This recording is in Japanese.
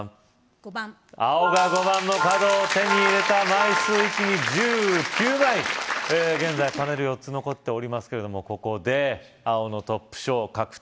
５番青が５番の角を手に入れた枚数一気に１９枚現在パネル４つ残っておりますけれどもここで青のトップ賞確定を致しました